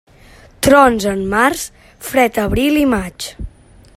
Trons en març, fred abril i maig.